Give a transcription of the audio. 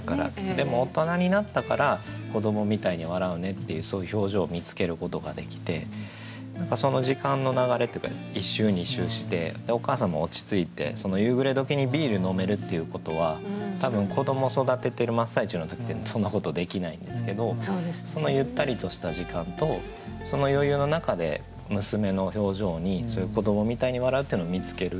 でも大人になったから「子どもみたいに笑ふね」っていうそういう表情を見つけることができて何かその時間の流れっていうか１周２周してお母さんも落ち着いて夕暮れ時にビール飲めるっていうことは多分子ども育ててる真っ最中の時ってそんなことできないんですけどそのゆったりとした時間とその余裕の中で娘の表情にそういう「子どもみたいに笑ふ」っていうのを見つける。